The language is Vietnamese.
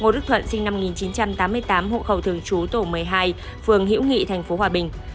ngô đức thuận sinh năm một nghìn chín trăm tám mươi tám hộ khẩu thường trú tổ một mươi hai phường hiễu nghị tp hòa bình